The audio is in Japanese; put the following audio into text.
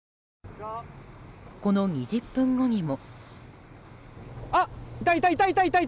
この２０分後にも。